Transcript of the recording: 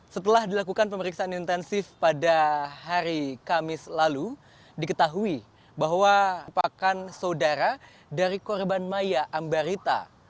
setelah dilakukan pemeriksaan intensif pada hari kamis lalu diketahui bahwa pakan saudara dari korban maya ambarita